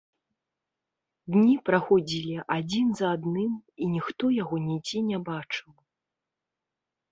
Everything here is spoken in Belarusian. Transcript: Дні праходзілі адзін за адным, і ніхто яго нідзе не бачыў.